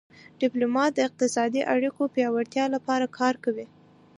ډیپلومات د اقتصادي اړیکو پیاوړتیا لپاره کار کوي